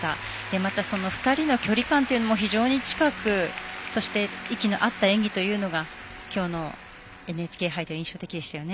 また、２人の距離感というのも非常に近くそして息の合った演技というのがきょうのＮＨＫ杯では印象的でしたよね。